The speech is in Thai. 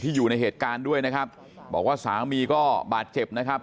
อยู่ในเหตุการณ์ด้วยนะครับบอกว่าสามีก็บาดเจ็บนะครับ